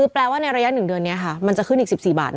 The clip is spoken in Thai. แปลว่าในระยะ๑เดือนจะขึ้นอีก๑๔บาท